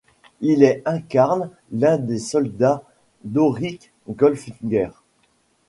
Il est incarne l'un des soldats d'Auric Goldfinger.